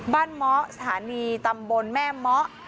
เมาะสถานีตำบลแม่เมาะ